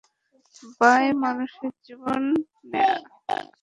By মানুষের জীবন নেয়া।